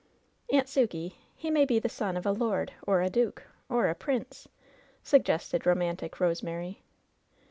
'^ "Aunt Sukey, he may be the son of a lord, or a duke^ or a prince," suggested romantic Rosemary.